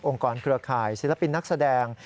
กรเครือข่ายศิลปินนักแสดง